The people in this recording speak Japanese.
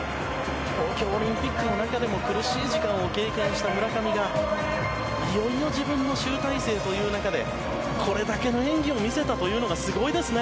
東京オリンピックの中でも苦しい時間を経験した村上がいよいよ自分の集大成という中でこれだけの演技を見せたというのがすごいですね。